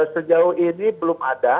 sejauh ini belum ada